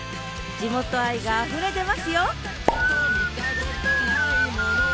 地元愛があふれ出ますよ